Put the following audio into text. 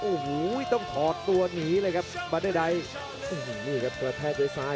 โอ้โหต้มถอดตัวหนีเลยครับบาดเต้นได่